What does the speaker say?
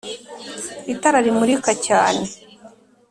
itara rimurika cyane.